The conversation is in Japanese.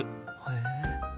へえ。